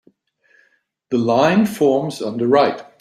The line forms on the right.